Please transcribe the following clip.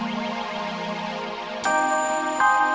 sampai ketemu lagi ya